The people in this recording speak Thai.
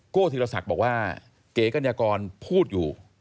โก้ธิรศักดิ์บอกว่าเก๋กัณฑ์ยากรพูดอยู่